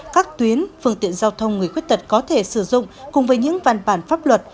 các tuyến phương tiện giao thông người khuyết tật có thể sử dụng cùng với những văn bản pháp luật